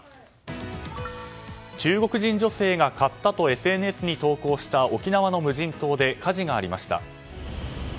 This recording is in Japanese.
中国人女性が買ったとＳＮＳに投稿した沖縄の無人島で火事がありました。